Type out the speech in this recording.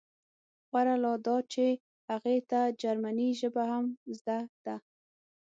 غوره لا دا چې هغې ته جرمني ژبه هم زده ده